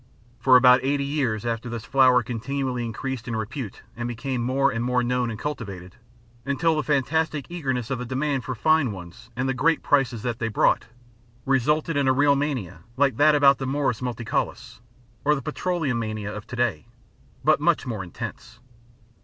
For about eighty years after this the flower continually increased in repute and became more and more known and cultivated, until the fantastic eagerness of the demand for fine ones and the great prices that they brought, resulted in a real mania like that about the morus multicaulis, or the petroleum mania of to day, but much more intense.